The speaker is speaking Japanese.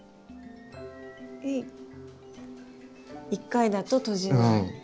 １回だと閉じない。